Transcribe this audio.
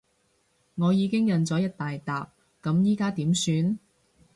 我已經印咗一大疊，噉而家點算？